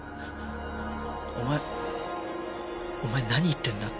お前お前何言ってんだ？